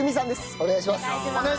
お願いします。